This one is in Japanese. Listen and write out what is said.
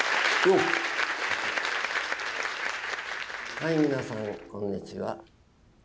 はい皆さんこんにちは。